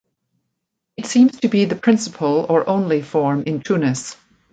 It seems to be the principal or only form in Tunis.